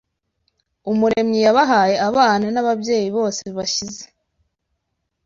Umuremyi yabahaye, abana n’ababyeyi bose bashyize